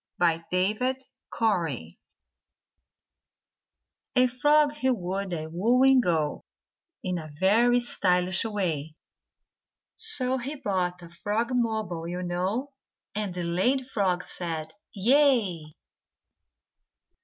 Y.] A frog he would a wooing go In a very stylish way, So he bought a frogmobile, you know, And the lady frog said "Yea!"